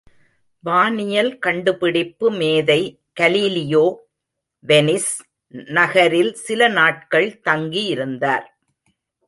வானியல் கண்டுபிடிப்பு மேதை கலீலியோ வெனிஸ், நகரில் சில நாட்கள் தங்கி இருந்தார்.